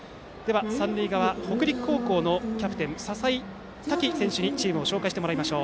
三塁側、北陸高校のキャプテン笹井多輝選手にチームを紹介してもらいます。